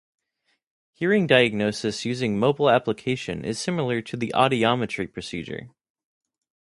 Hearing diagnosis using mobile application is similar to the audiometry procedure.